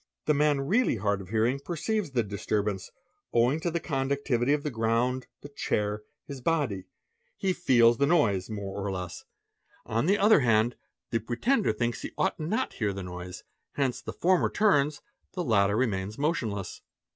The man really hard earing perceives the disturbance, owing to the conductivity of the nd, the chair, his body; he "feels the noise'? more or less: on the 318 PRACTICES OF CRIMINALS other hand, the pretender thinks he ought not to hear the noise ; hence — the former turns, the latter remains motionless.